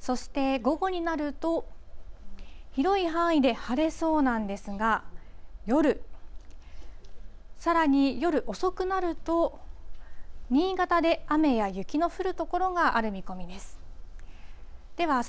そして、午後になると、広い範囲で晴れそうなんですが、夜、さらに夜遅くなると、新潟で雨や雪の降る所がある見込みです。